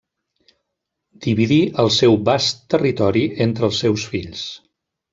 Dividí el seu bast territori entre els seus fills.